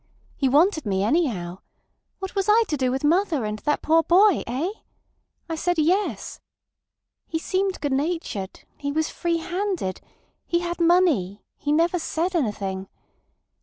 He wanted me, anyhow. What was I to do with mother and that poor boy? Eh? I said yes. He seemed good natured, he was freehanded, he had money, he never said anything.